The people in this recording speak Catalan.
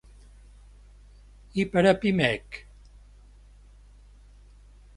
I per a Pimec?